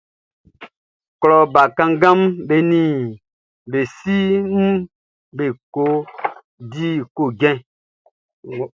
Klɔ bakannganʼm be nin be siʼm be kɔ di ko njɛn.